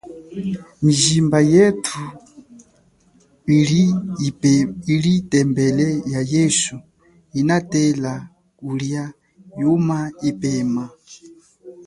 Mijimba yethu ili tembele ya yesu inatela kulia yuma ipema.